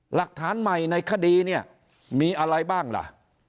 หลักฐานใหม่ในคดีเนี่ยมีอะไรบ้างล่ะ